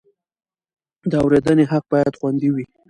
د اورېدنې حق باید خوندي وي.